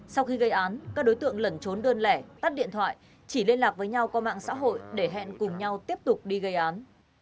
sau khi gây án các đối tượng lẩn trốn đơn lẻ tắt điện thoại chỉ liên lạc với nhau qua mạng xã hội để hẹn cùng nhau tiếp tục đi gây án